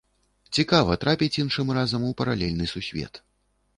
Цікава трапіць іншым разам у паралельны сусвет.